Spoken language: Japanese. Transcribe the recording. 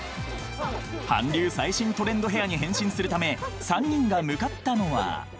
［韓流最新トレンドヘアに変身するため３人が］